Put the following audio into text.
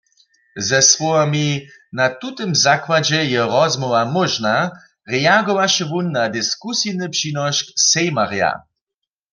Ze słowami „na tutym zakładźe je rozmołwa móžna“ reagowaše wón na diskusijny přinošk sejmarja.